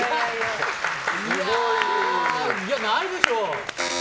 いやー、ないでしょう！